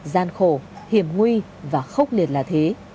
gian khổ hiểm nguy và khốc liệt là thế